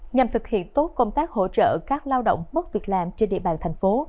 nhằm thực hiện tốt công tác hỗ trợ các lao động mất việc làm trên địa bàn thành phố